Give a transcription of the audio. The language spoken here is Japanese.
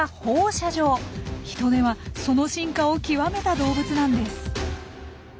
ヒトデはその進化を極めた動物なんです。